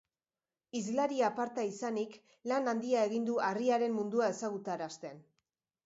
Hizlari aparta izanik, lan handia egin du harriaren mundua ezagutarazten.